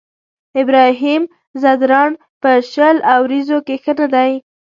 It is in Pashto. ابراهيم ځدراڼ په شل اوريزو کې ښه نه دی.